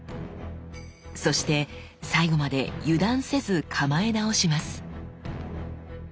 そして最後まで油断せず構え直します。